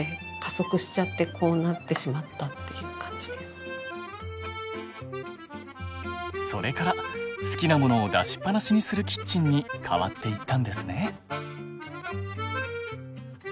それが何かそれから好きなものを出しっぱなしにするキッチンに変わっていったんですね。